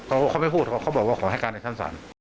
เขาไม่พูดแท้เขาบอกว่าขอให้ก่านกันท่านสาร